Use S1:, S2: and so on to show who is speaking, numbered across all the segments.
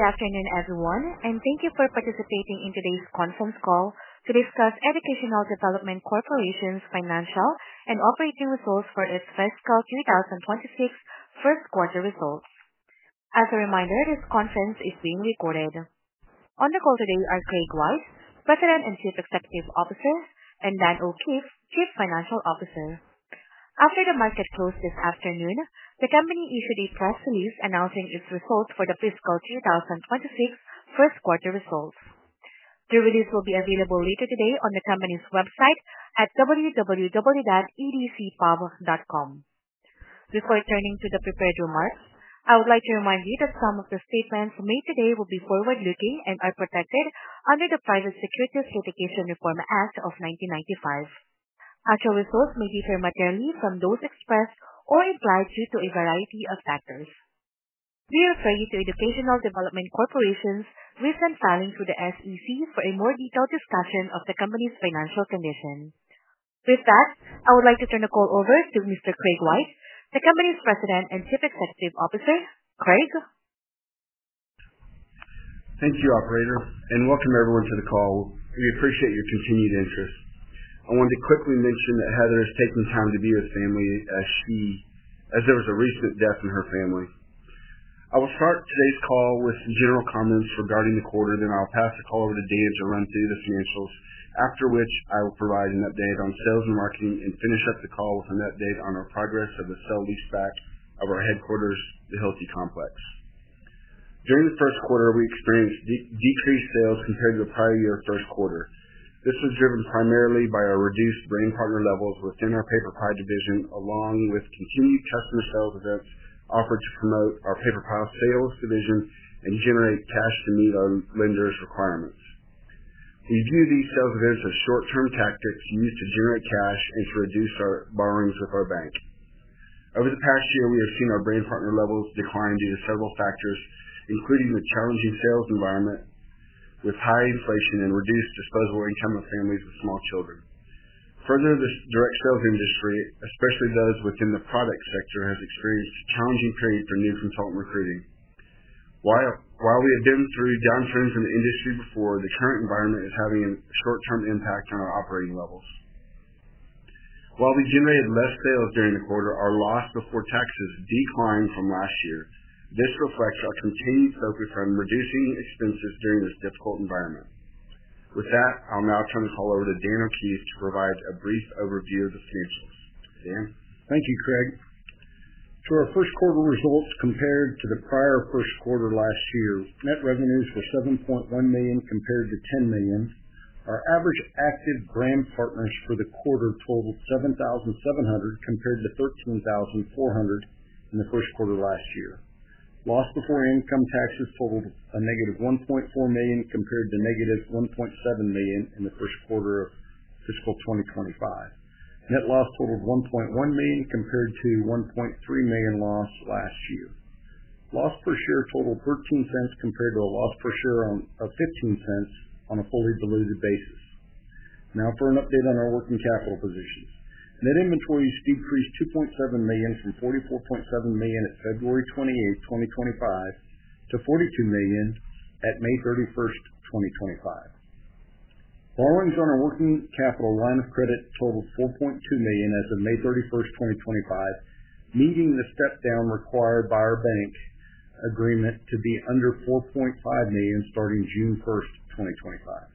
S1: Good afternoon, everyone, and thank you for participating in today's conference call to discuss Educational Development Corporation's financial and operating results for its fiscal 2026 first quarter results. As a reminder, this conference is being recorded. On the call today are Craig White, President and Chief Executive Officer, and Dan O'Keefe, Chief Financial Officer. After the market closed this afternoon, the company issued a press release announcing its results for the fiscal 2026 first quarter results. The release will be available later today on the company's website at www.edcpub.com. Before turning to the prepared remarks, I would like to remind you that some of the statements made today will be forward-looking and are protected under the Private Securities Litigation Reform Act of 1995. Actual results may differ materially from those expressed or implied due to a variety of factors. We refer you to Educational Development Corporation's recent filings with the SEC for a more detailed discussion of the company's financial condition. With that, I would like to turn the call over to Mr. Craig White, the company's President and Chief Executive Officer. Craig?
S2: Thank you, Operator, and welcome everyone to the call. We appreciate your continued interest. I wanted to quickly mention that Heather is taking time to be with family, as there was a recent death in her family. I will start today's call with some general comments regarding the quarter, then I'll pass the call over to Dan to run through the financials, after which I will provide an update on sales and marketing and finish up the call with an update on our progress of the sell/lease track of our headquarters, the Hilti Complex. During the first quarter, we experienced decreased sales compared to the prior year's first quarter. This was driven primarily by our reduced brand cover levels within our PaperPie division, along with continued customer sales events offered to promote our PaperPie sales division and generate cash to meet our lenders' requirements. We view these sales events as short-term tactics used to generate cash and to reduce our borrowings with our bank. Over the past year, we have seen our brand cover levels decline due to several factors, including the challenging sales environment with high inflation and reduced disposable income of families with small children. Further, this direct sales industry, especially those within the product sector, has experienced a challenging period for new consultant recruiting. While we have been through downturns in the industry before, the current environment is having a short-term impact on our operating levels. While we generated less sales during the quarter, our loss before taxes declined from last year. This reflects our continued focus on reducing expenses during this difficult environment. With that, I'll now turn the call over to Dan O'Keefe to provide a brief overview of the financials. Dan.
S3: Thank you, Craig. For our first quarter results compared to the prior first quarter last year, net revenues were $7.1 million compared to $10 million. Our average active brand partners for the quarter totaled 7,700 compared to 13,400 in the first quarter last year. Loss before income taxes totaled a -$1.4 million compared to -$1.7 million in the first quarter of fiscal 2025. Net loss totaled $1.1 million compared to $1.3 million loss last year. Loss per share totaled $0.13 compared to a loss per share of $0.15 on a fully balloted basis. Now, for an update on our working capital positions, net inventories decreased $2.7 million from $44.7 million at February 28, 2025, to $42 million at May 31st, 2025. Borrowings on our working capital line of credits totaled $4.2 million as of May 31st, 2025, meeting the step-down required by our bank agreement to be under $4.5 million starting June 1st, 2025.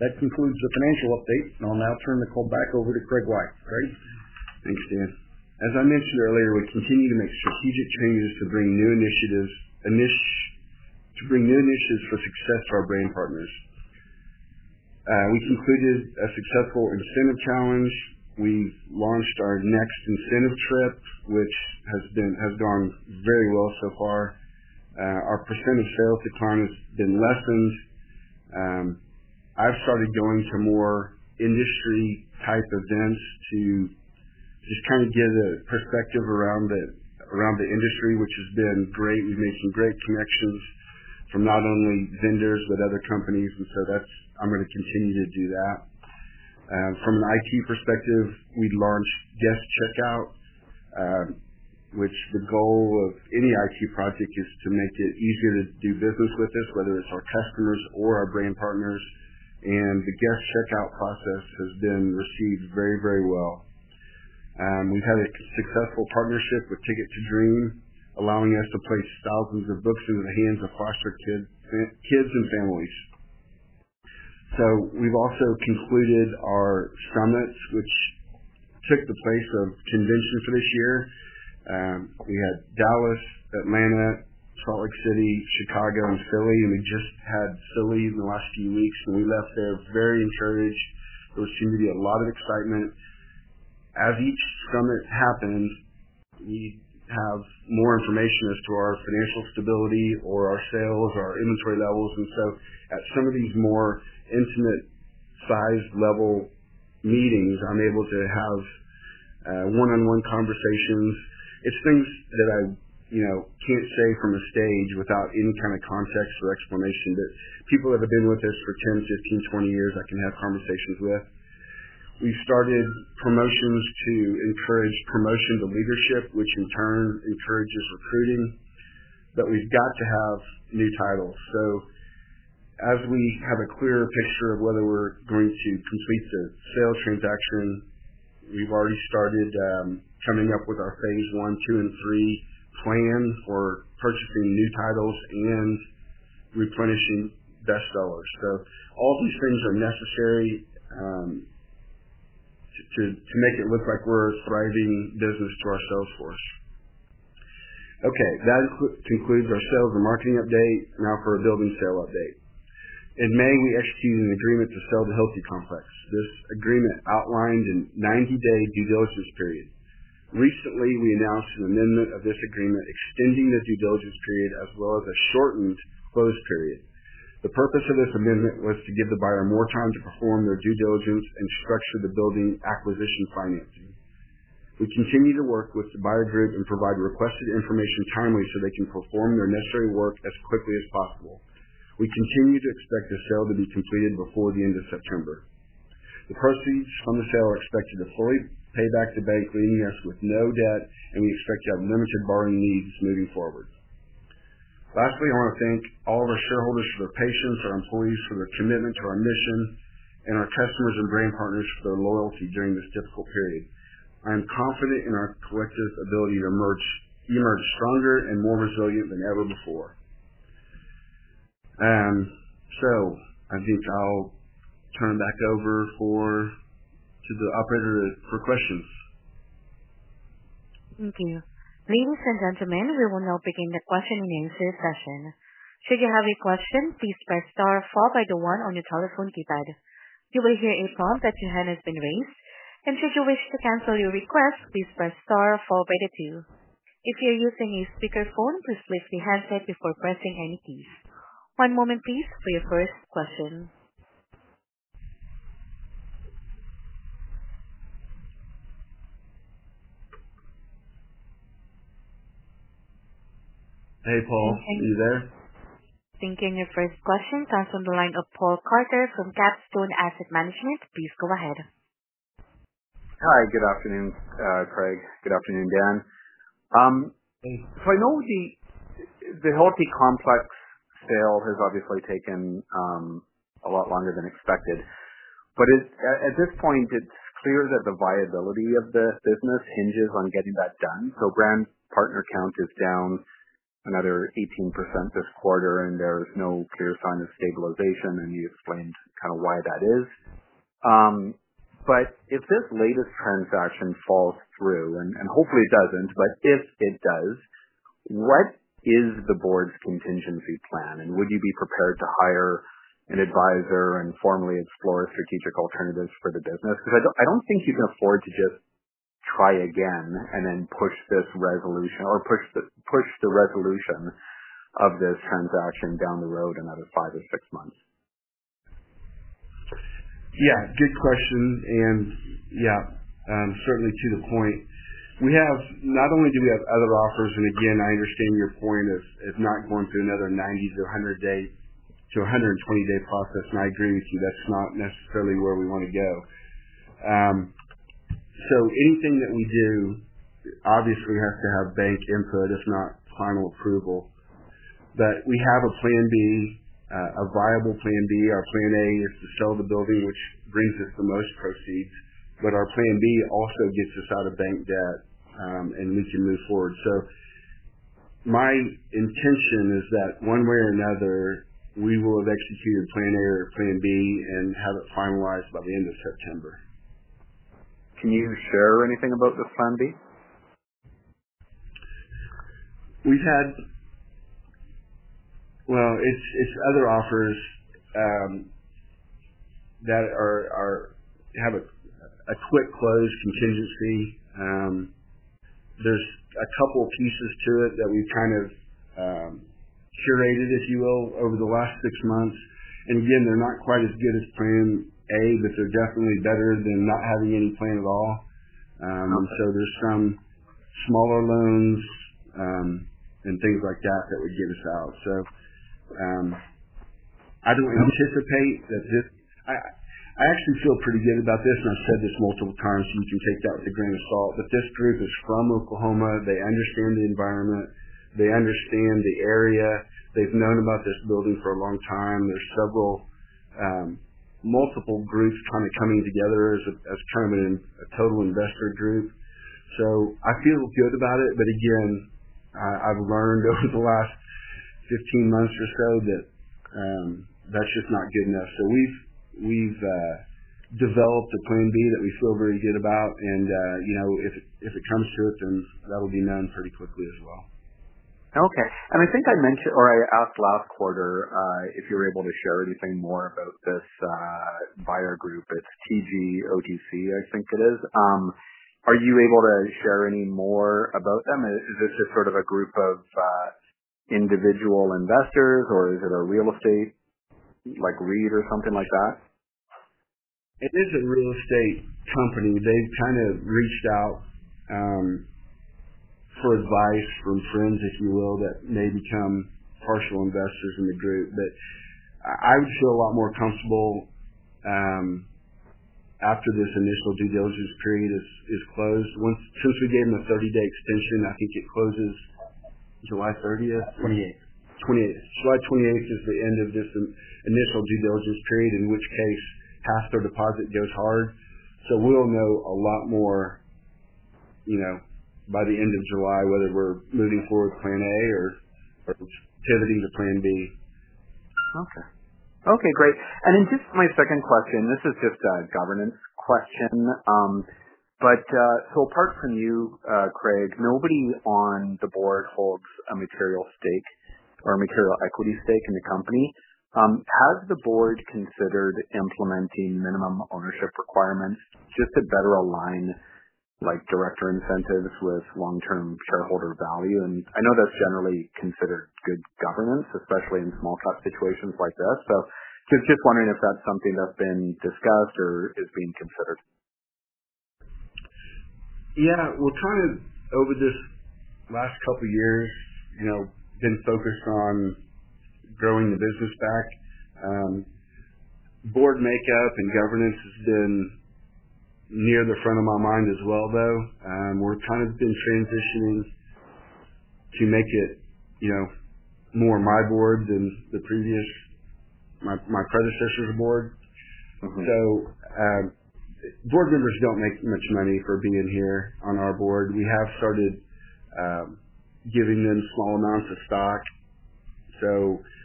S3: That concludes the financial updates, and I'll now turn the call back over to Craig White. Craig?
S2: Thanks, Dan. As I mentioned earlier, we're continuing to make strategic changes to bring new initiatives for success for our brand partners. We concluded a successful incentive challenge. We've launched our next incentive trip, which has gone very well so far. Our % sales decline has been lessened. I've started going to more industry-type events to just kind of give a perspective around the industry, which has been great. We've made some great connections from not only vendors but other companies, and that's I'm going to continue to do that. From an IT perspective, we launched Guest Checkout, which the goal of any IT project is to make it easier to do business with us, whether it's our customers or our brand partners. The Guest Checkout process has been received very, very well. We've had a successful partnership with Ticket to Dream, allowing us to place thousands of books into the hands of foster kids and families. We've also concluded our summits, which took the place of conventions for this year. We had Dallas, Atlanta, Salt Lake City, Chicago, and Philly, and we just had Philly in the last few weeks, and we left there very encouraged. There seemed to be a lot of excitement. As each summit happens, we have more information as to our financial stability, our sales, or our inventory levels. At some of these more intimate-sized level meetings, I'm able to have one-on-one conversations. It's things that I can't say from a stage without any kind of context or explanation that people that have been with us for 10, 15, 20 years I can have conversations with. We started promotions to encourage promotion to leadership, which in turn encourages recruiting, but we've got to have new titles. As we have a clearer picture of whether we're going to complete the sales transaction, we've already started coming up with our phase one, two, and three plan for purchasing new titles and replenishing bestsellers. All these things are necessary to make it look like we're a thriving business to ourselves for. That concludes our sales and marketing update. Now for a building sale update. In May, we executed an agreement to sell the Hilti Complex. This agreement outlined a 90-day due diligence period. Recently, we announced an amendment of this agreement extending the due diligence period as well as a shortened close period. The purpose of this amendment was to give the buyer more time to perform their due diligence and structure the building acquisition financing. We continue to work with the buyer group and provide requested information timely so they can perform their necessary work as quickly as possible. We continue to expect the sale to be completed before the end of September. The proceeds from the sale are expected to fully pay back the bank, leaving us with no debt, and we expect to have limited borrowing needs moving forward. Lastly, I want to thank all of our shareholders for their patience, our employees for their commitment to our mission, and our customers and brand partners for their loyalty during this difficult period. I am confident in our collective's ability to emerge stronger and more resilient than ever before. I think I'll turn back over to the operator for questions.
S1: Thank you. Please ascend onto the line and we will now begin the question and answer session. Should you have a question, please press star followed by the one on your telephone keypad. You will hear a prompt that your hand has been raised, and should you wish to cancel your request, please press star followed by the two. If you're using a speakerphone, please place your handset before pressing any keys. One moment, please, for your first question.
S2: Hey, Paul. Hey. Are you there?
S1: Thank you. Your first question comes from the line of Paul Carter from Capstone Asset Management. Please go ahead.
S4: Hi. Good afternoon, Craig. Good afternoon, Dan. I know the, the Hilti Complex sale has obviously taken a lot longer than expected. At this point, it's clear that the viability of the business hinges on getting that done. Brand partner count is down another 18% this quarter, and there's no clear sign of stabilization, and you explained kind of why that is. If this latest transaction falls through, and hopefully it doesn't, if it does, what is the board's contingency plan, and would you be prepared to hire an advisor and formally explore strategic alternatives for the business? I don't think you can afford to just try again and then push this resolution or push the resolution of this transaction down the road another five or six months.
S2: Yeah. Good question. Yeah, certainly to the point. We have, not only do we have other offers, I understand your point of not going through another 90 - 100-day to 120-day process, and I agree with you. That's not necessarily where we want to go. Anything that we do obviously has to have bank input, if not final approval. We have a plan B, a viable plan B. Our plan A is to sell the building, which brings us the most proceeds, but our plan B also gets us out of bank debt, and we can move forward. My intention is that one way or another, we will have executed plan A or plan B and have it finalized by the end of September.
S4: Can you share anything about the plan B?
S2: We've had other offers that have a quick close contingency. There's a couple of pieces to it that we've kind of curated, if you will, over the last six months. They're not quite as good as plan A, but they're definitely better than not having any plan at all. There's some smaller loans and things like that that would get us out. I don't anticipate that this, I actually feel pretty good about this, and I've said this multiple times, and you can take that with a grain of salt, that this group is from Oklahoma. They understand the environment. They understand the area. They've known about this building for a long time. There's several, multiple groups kind of coming together as a total investor group. I feel good about it, but I've learned over the last 15 months or so that that's just not good enough. We've developed a plan B that we feel very good about, and if it comes to it, then that'll be known pretty quickly as well.
S4: Okay. I think I mentioned or I asked last quarter if you're able to share anything more about this buyer group. It's PGOTC, I think it is. Are you able to share any more about them? Is this just sort of a group of individual investors, or is it a real estate like REIT or something like that?
S2: It is a real estate company. They kind of reached out for advice from friends, if you will, that may become partial investors in the group. I would feel a lot more comfortable after this initial due diligence period is closed. Since we gave them a 30-day extension, I think it closes July 30th.
S4: 28th.
S2: July 28th is the end of this initial due diligence period, in which case cash or deposit goes hard. We'll know a lot more by the end of July whether we're moving forward with plan A or pivoting to plan B.
S4: Perfect. Okay, great. My second question is just a governance question. Apart from you, Craig, nobody on the board holds a material stake or a material equity stake in the company. Has the board considered implementing minimum ownership requirements just to better align director incentives with long-term shareholder value? I know that's generally considered good governance, especially in small-cap situations like this. I'm just wondering if that's something that's been discussed or is being considered.
S2: Yeah. We're trying to, over this last couple of years, you know, been focused on growing the business back. Board makeup and governance has been near the front of my mind as well, though. We're kind of been transitioning to make it, you know, more my board than the previous, my predecessor's board.
S4: Mm-hmm.
S2: Board members don't make too much money for being here on our board. We have started giving them small amounts of stock.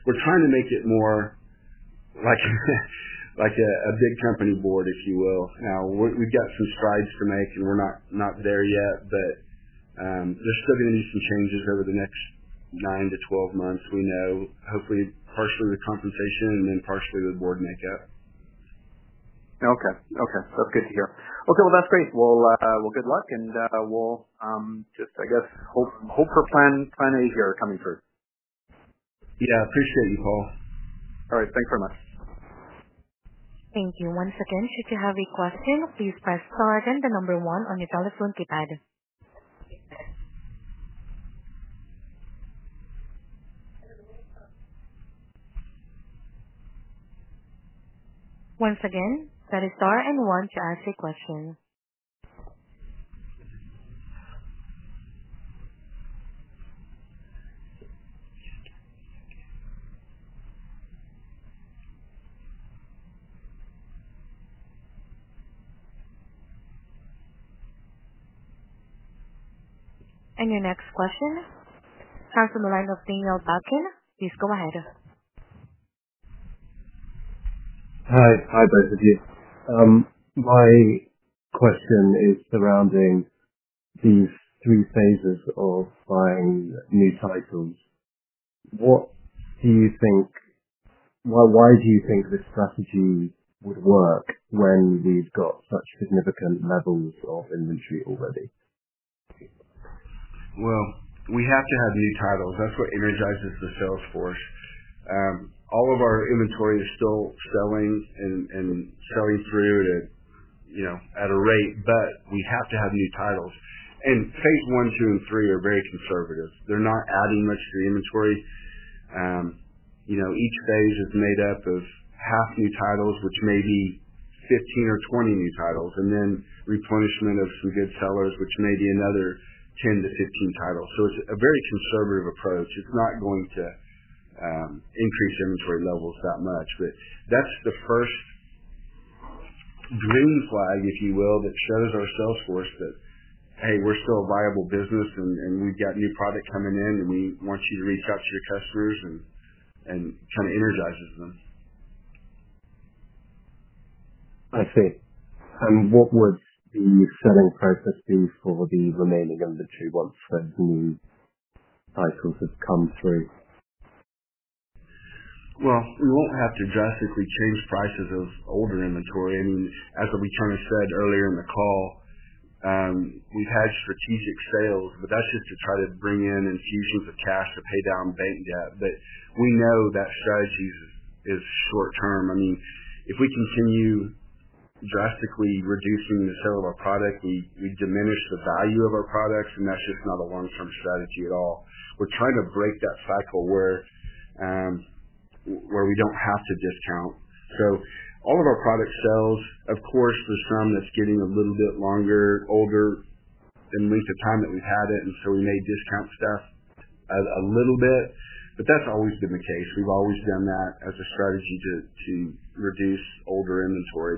S2: We're trying to make it more like a big company board, if you will. We've got some strides to make, and we're not there yet, but there's still going to be some changes over the next 9 to 12 months, hopefully partially the compensation and then partially the board makeup.
S4: Okay. That's good to hear. That's great. Good luck, and we'll just, I guess, hope for plan A here coming through.
S2: Yeah, I appreciate you, Paul.
S4: All right, thanks very much.
S1: Thank you. Once again, should you have a question, please press star, then the number one on your telephone keypad. Once again, press star and one to ask a question. Your next question comes from the line of Daniel Duncan. Please go ahead. Hi, both of you. My question is surrounding these three phases of buying new titles. Why do you think this strategy would work when we've got such significant levels of inventory already?
S2: We have to have new titles. That's what energizes the sales force. All of our inventory is still going and selling through at a rate, but we have to have new titles. Phase one, two, and three are very conservative. They're not adding much to the inventory. Each phase is made up of half new titles, which may be 15 or 20 new titles, and then replenishment of some good sellers, which may be another 10 to 15 titles. It's a very conservative approach. It's not going to increase inventory levels that much. That's the first green flag, if you will, that shows our sales force that, hey, we're still a viable business and we've got new product coming in, and we want you to reach out to your customers and kind of energizes them. I see. What would the shuttle process be for the remaining two months for new titles that come through? We won't have to drastically change prices of older inventory. As we kind of said earlier in the call, we've had strategic sales, but that's just to try to bring in infusions of cash to pay down bank debt. We know that strategy is short-term. If we continue drastically reducing the sale of our product, we diminish the value of our products, and that's just not a long-term strategy at all. We're trying to break that cycle where we don't have to discount. All of our product sales, of course, there's some that's getting a little bit longer, older in length of time that we've had it, and we may discount stuff a little bit, but that's always been the case. We've always done that as a strategy to reduce older inventory.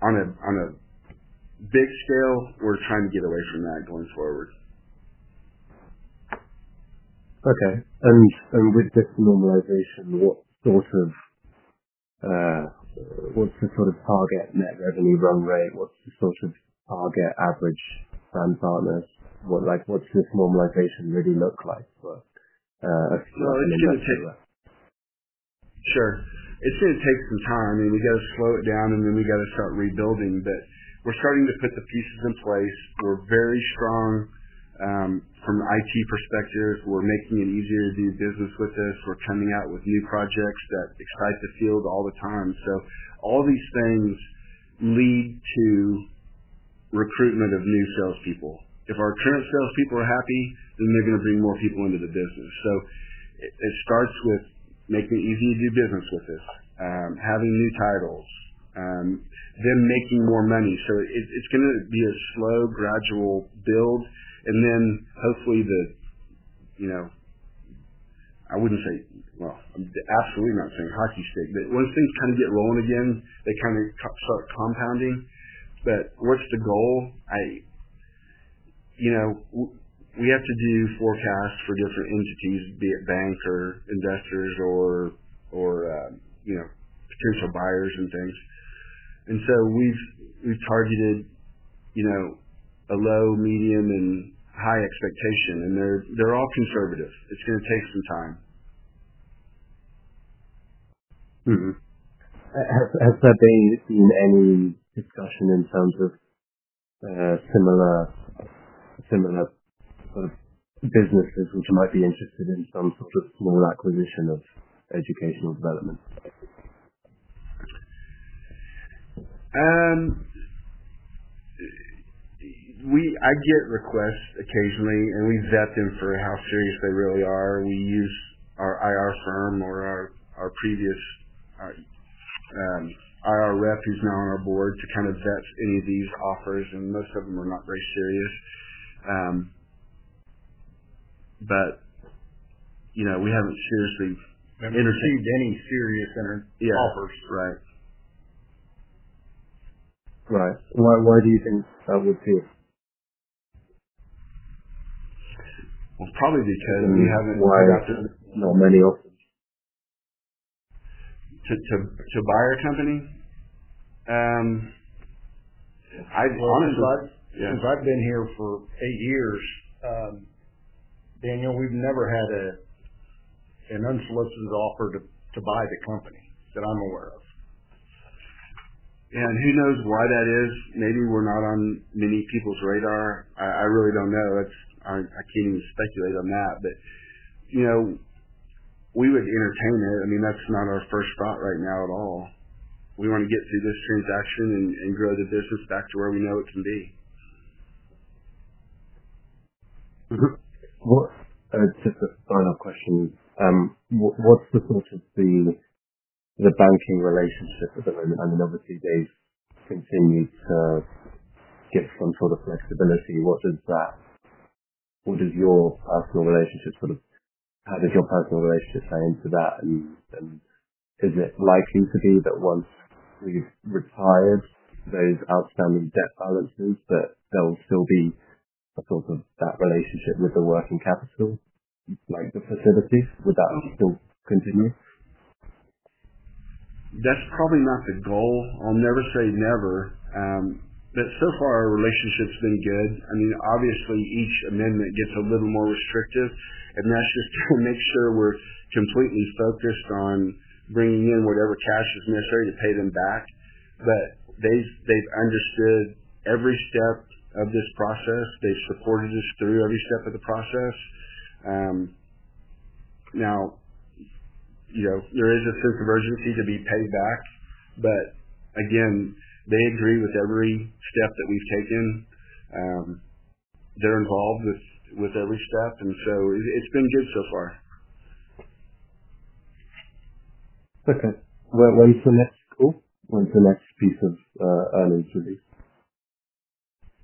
S2: On a big scale, we're trying to get away from that going forward. Okay. With this normalization, what sort of target net revenue run rate? What sort of target average stands out? What does this normalization really look like for Educational Development Corporation? It's going to take some time. We got to slow it down, and then we got to start rebuilding. We're starting to put the pieces in place. We're very strong from an IT perspective. We're making it easier to do business with us. We're coming out with new projects that excite the field all the time. All these things lead to recruitment of new salespeople. If our current salespeople are happy, then they're going to bring more people into the business. It starts with making it easy to do business with us, having new titles, then making more money. It's going to be a slow, gradual build. Hopefully, you know, I wouldn't say, I'm absolutely not saying hockey stick. Once things kind of get rolling again, they kind of start compounding. What's the goal? We have to do forecasts for different entities, be it banks or investors or potential buyers and things. We've targeted a low, medium, and high expectation, and they're all conservative. It's going to take some time. Has there been any discussion in terms of similar businesses which might be interested in some sort of small acquisition of Educational Development Corporation? I get requests occasionally, and we vet them for how serious they really are. We use our IR firm or our previous IR rep who's now on our board to kind of vet these offers, and most of them are not very serious. You know, we haven't seriously entertained any serious offers. Right. Why do you think that would be? Probably because we haven't gotten. Why? No, money off to buy our company? I've gone and got, yeah, since I've been here for eight years, Daniel, we've never had an unsolicited offer to buy the company that I'm aware of. Who knows why that is? Maybe we're not on many people's radar. I really don't know. I can't even speculate on that. We would entertain it. That's not our first thought right now at all. We want to get through this transaction and grow the business back to where we know it can be. Just a final question. What's the thought of the banking relationship at the moment? I mean, obviously, they've continued to give some sort of flexibility. What does your personal relationship, how does your personal relationship play into that? Is it likely to be that once we've retired those outstanding debt balances, there will still be that relationship with the working capital? Like, the facilities, would that still continue? That's probably not the goal. I'll never say never, but so far, our relationship's been good. I mean, obviously, each amendment gets a little more restrictive, and that's just to make sure we're completely focused on bringing in whatever cash is necessary to pay them back. They've understood every step of this process and supported us through every step of the process. Now, you know, there is a sense of urgency to be paid back. Again, they agree with every step that we've taken. They're involved with every step, and so it's been good so far. Okay. When's the next piece of earnings release?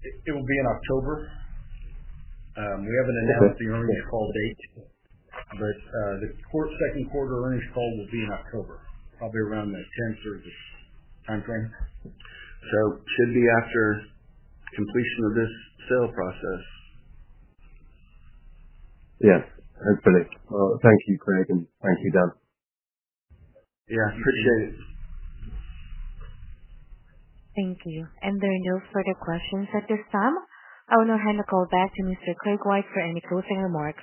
S2: It will be in October. We have an announcement on this call date, but the second quarter earnings call will be in October, probably around the 10th or that timeframe. It should be after completion of this sale process. That's great. Thank you, Craig, and thank you, Dan. Yeah, appreciate it.
S1: Thank you. There are no further questions at this time. I will now hand the call back to Mr. Craig White for any closing remarks.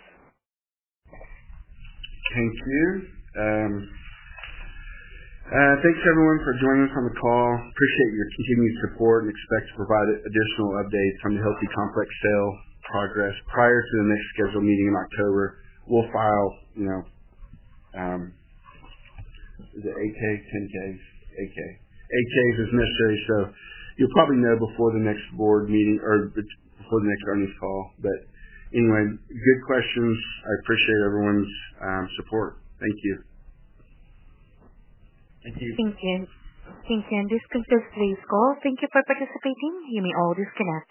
S2: Thank you. Thanks, everyone, for joining us on the call. Appreciate your continued support and expect to provide additional updates on the headquarters sale progress prior to the next scheduled meeting in October. We'll file, you know, is it 8-K, 10-Ks? 8-K. 8-Ks as necessary. You'll probably know before the next board meeting or before the next earnings call. Good questions. I appreciate everyone's support. Thank you.
S3: Thank you.
S1: Thank you. Thank you. This concludes today's call. Thank you for participating. You may all disconnect.